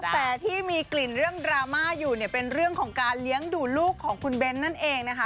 แต่ที่มีกลิ่นเรื่องดราม่าอยู่เนี่ยเป็นเรื่องของการเลี้ยงดูลูกของคุณเบ้นนั่นเองนะคะ